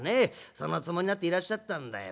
そのつもりになっていらっしゃったんだよ。